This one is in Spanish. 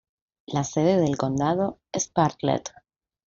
La sede del condado es Bartlett.